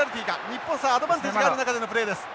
日本アドバンテージがある中でのプレーです。